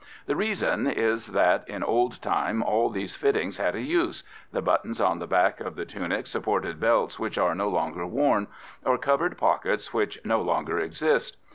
The reason is that, in old time, all these fittings had a use; the buttons on the back of the tunic supported belts which are no longer worn, or covered pockets which no longer exist.